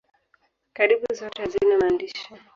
Karibu zote hazina maandishi.